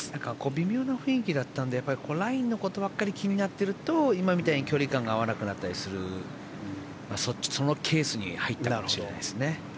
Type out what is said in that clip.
微妙な雰囲気だったのでラインのことばっかり気になっていると今みたいに距離感が合わなくなったりしますがそのケースに入ったかもしれないですね。